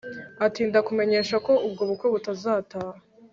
atindakumenyesha ko ubwo bukwe butazataha